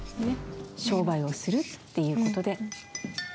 商売をするっていう事で。